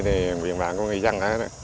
thì nguyện bản của người dân